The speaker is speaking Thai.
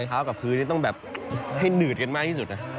เท้ากับพื้นต้องแบบให้หนืดกันมากที่สุด